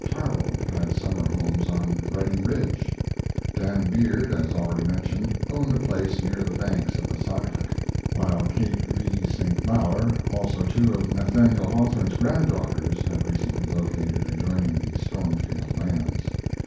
Tarbell had summer homes on Redding Ridge; Dan Beard, as already mentioned, owned a place near the banks of the Saugatuck, while Kate V. St. Maur, also two of Nathaniel Hawthorne's granddaughters had recently located adjoining the Stormfield lands.